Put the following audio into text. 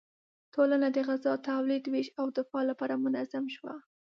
ټولنه د غذا تولید، ویش او دفاع لپاره منظم شوه.